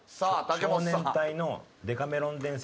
「少年隊の『デカメロン伝説』」。